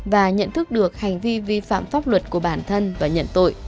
và nhận thức được hành vi vi phạm pháp luật của bản thân và nhận tội